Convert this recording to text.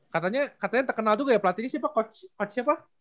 katanya katanya terkenal juga ya pelatihnya siapa coach siapa